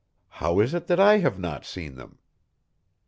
How is it that I have not seen them?"